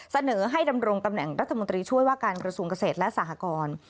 เสนอให้ดำรงตำแหน่งรัฐมนตรีช่วยว่าการกระทรวงเกษตรและสหกร